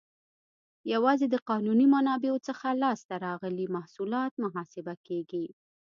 یوازې د قانوني منابعو څخه لاس ته راغلي محصولات محاسبه کیږي.